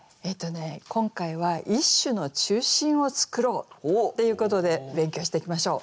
今回は「一首の中心を創ろう」っていうことで勉強していきましょう。